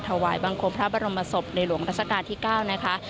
ถวายบังคมพระบรมศพในหลวงรัชกาลที่๙นะคะ